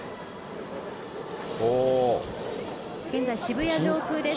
現在、渋谷上空です。